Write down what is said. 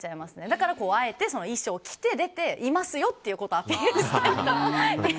だからあえて衣装を着て出ていますよっていうことをアピールして。